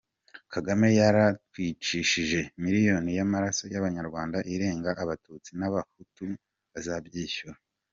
Kagame yaratwicishije…miliyoni y’amaraso y’abanyarwanda irenga abatutsi n’abahutu azabyishyura !